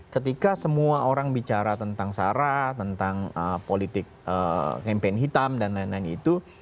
ketika semua orang bicara tentang sara tentang politik campaign hitam dan lain lain itu